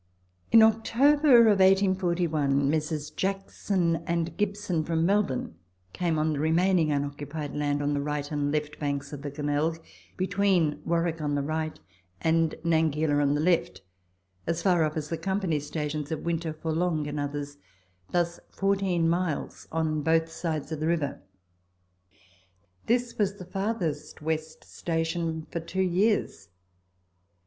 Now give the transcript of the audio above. In October of 1841 Messrs. Jackson and Gibson from Mel bourne came on the remaining unoccupied land on the right and left banks of the Glenelg, between Warrock on the right and Nangecla on the left, as far up as the company stations of Winter, Forlongo, and others, thus fourteen miles on both sides of the river. This was the farthest west station for two years.